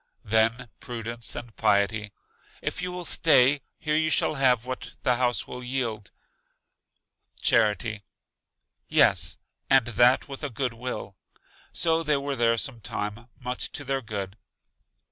Then Prudence and Piety: If you will stay, here you shall have what the house will yield. Charity: Yes, and that with a good will. So they were there some time, much to their good.